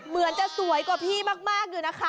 เหมือนจะสวยกว่าพี่มากอยู่นะคะ